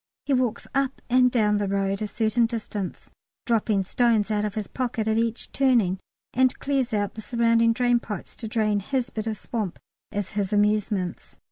(He walks up and down the road a certain distance, dropping stones out of his pocket at each turning, and clears out the surrounding drain pipes to drain his bit of swamp, as his amusements.)